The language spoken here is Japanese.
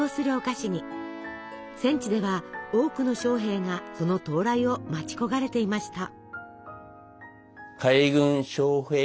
戦地では多くの将兵がその到来を待ち焦がれていました。